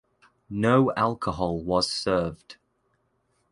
No alcohol was served.